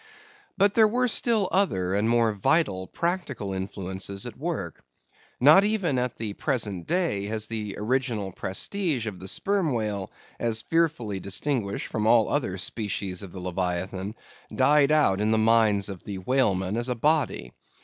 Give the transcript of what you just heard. But there were still other and more vital practical influences at work. Not even at the present day has the original prestige of the Sperm Whale, as fearfully distinguished from all other species of the leviathan, died out of the minds of the whalemen as a body.